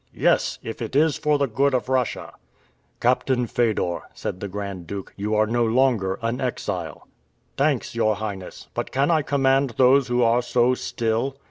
"Yes, if it is for the good of Russia." "Captain Fedor," said the Grand Duke, "you are no longer an exile." "Thanks, your Highness, but can I command those who are so still?"